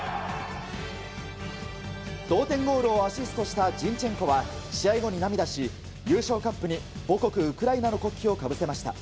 同点ゴールをアシストしたジンチェンコは試合後に涙し、優勝カップに母国ウクライナの国旗をかぶせました。